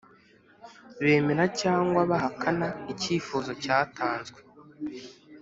bemera cyangwa bahakana icyifuzo cyatanzwe